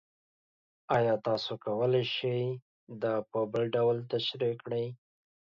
ایا تاسو کولی شئ دا په بل ډول تشریح کړئ؟